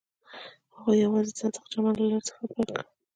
هغوی یوځای د صادق چمن له لارې سفر پیل کړ.